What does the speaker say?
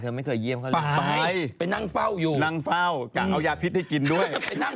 ไปนั่งเฝ้าจะกดวัน